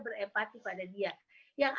berepati pada dia yang